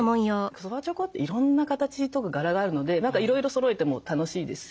そばちょこっていろんな形とか柄があるので何かいろいろそろえても楽しいですし。